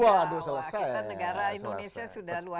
kita negara indonesia